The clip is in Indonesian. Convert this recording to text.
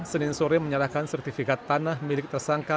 senin sore menyerahkan sertifikat tanah milik tersangka